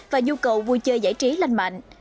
và nhu cầu vui chơi giải trí lanh mạnh